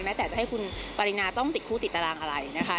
แต่จะให้คุณปรินาต้องติดคู่ติดตารางอะไรนะคะ